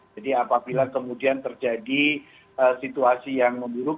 jadi apabila kemudian terjadi situasi yang menurut